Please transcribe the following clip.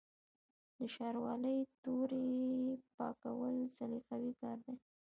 د شاروالۍ تورې پاکول سلیقوي کار دی.